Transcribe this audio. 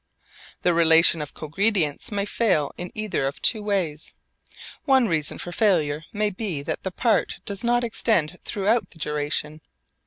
The relation of cogredience may fail in either of two ways. One reason for failure may be that the part does not extend throughout the duration.